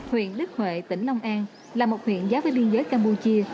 huyện đức huệ tỉnh long an là một huyện giá với liên giới campuchia